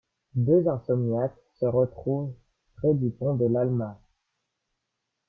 Deux insomniaques se retrouvent près du pont de l'Alma.